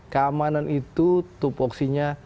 keamanan itu tupuksinya